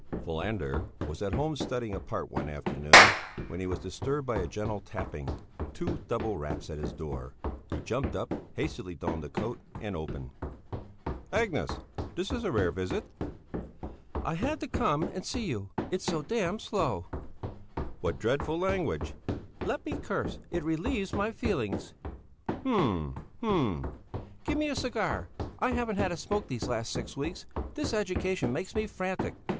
Falander was at home studying a part one afternoon, when he was disturbed by a gentle tapping, two double raps, at his door. He jumped up, hastily donned a coat and opened. "Agnes! This is a rare visit!" "I had to come and see you, it's so damned slow!" "What dreadful language!" "Let me curse! It relieves my feelings." "Hm! hm!" "Give me a cigar; I haven't had a smoke these last six weeks. This education makes me frantic."